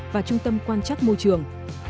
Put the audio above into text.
và trung tâm quan chắc môi trường